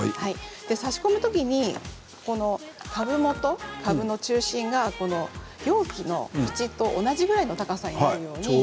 差し込む時に、株元株の中心が容器の縁と同じくらいの高さになるように。